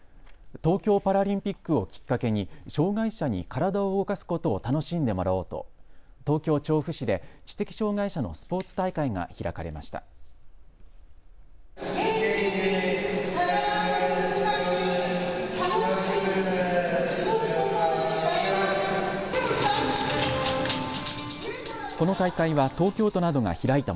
東京パラリンピックをきっかけに障害者に体を動かすことを楽しんでもらおうと東京調布市で知的障害者のスポーツ大会が開かれました。